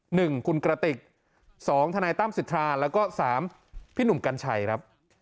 หนึ่งคุณกระติกสองทนายตั้มสิทธาแล้วก็สามพี่หนุ่มกัญชัยครับ